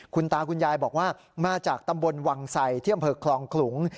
คุณตาคุณยายบอกว่ามาจากตำบลวังไสที่อำเภอคลองขลุง